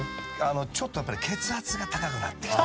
「ちょっと血圧が高くなってきた」